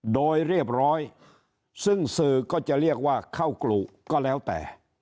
โดยเรียบร้อยซึ่งสื่อก็จะเรียกว่าเข้ากรุก็แล้วแต่